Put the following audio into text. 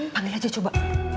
panggil aja coba